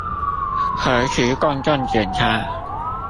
核磁共振檢查